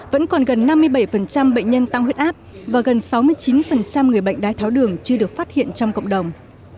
vẫn còn gần năm mươi bảy bệnh nhân tăng huyết áp và gần sáu mươi chín người bệnh đái tháo đường chưa được phát hiện trong cộng đồng